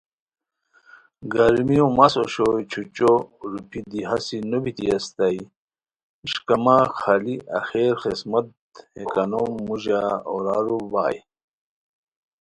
گرمیو مس اوشوئے چھوچی روپھی دی ہاسی نو بیتی اسیتائے، اِݰکامہ خالی آخر خسمت بیتی ہے کانو موڑا اورارو ہائے